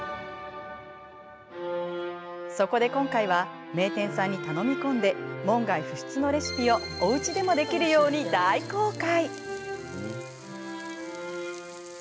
そこで今回は、名店さんに頼み込んで門外不出のレシピをおうちでもできるように大公開。